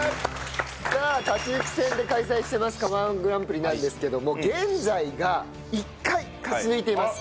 さあ勝ち抜き戦で開催してます釜−１グランプリなんですけども現在が１回勝ち抜いています